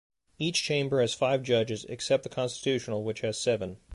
Each chamber has five judges, except the constitutional, which has seven.